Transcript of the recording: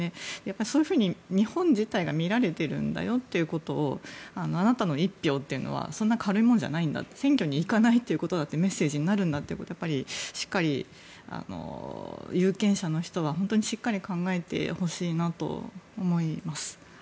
そういうふうに日本自体が見られているんだということをあなたの一票というのはそんな軽いものじゃないんだ選挙に行かないということだってメッセージになるんだということをしっかり有権者の人は本当にしっかり考えてほしいなと思います。